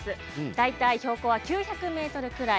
大体標高が９００ｍくらい。